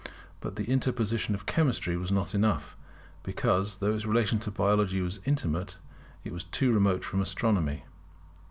But the interposition of Chemistry was not enough: because, though its relation to Biology was intimate, it was too remote from Astronomy.